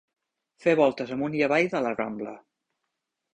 Fer voltes amunt i avall de la rambla.